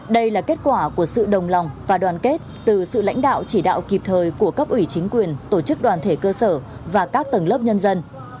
đây là kết quả của sự đồng lòng và đoàn kết từ sự lãnh đạo chỉ đạo kịp thời của cấp ủy chính quyền tổ chức đoàn thể cơ sở và các tầng lớp nhân dân